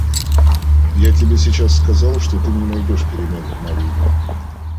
Я тебе сейчас сказал, что ты не найдешь перемен в Марьине...